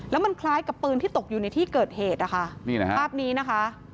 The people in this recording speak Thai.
แล้วมันคล้ายกับปืนที่ตกอยู่ในที่เกิดเหตุนะคะนี่นะคะภาพนี้นะคะ